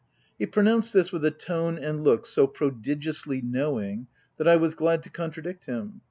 He pronounced this with a tone and look so prodigiously knowing, that I was glad to con tradict him.